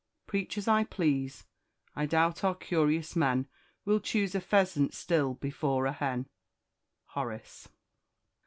"Preach as I please, I doubt our curious men Will choose a pheasant still before a hen." HORACE.